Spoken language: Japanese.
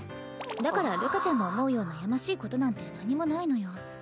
だからるかちゃんの思うようなやましいことなんて何もないのよ。